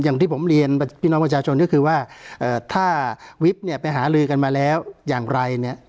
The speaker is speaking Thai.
อย่างที่ผมเรียนพี่น้องประชาชนก็คือว่าถ้าวิบเนี่ยไปหาลือกันมาแล้วอย่างไรเนี่ย